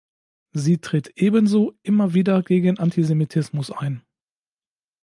Sie tritt ebenso immer wieder gegen Antisemitismus ein.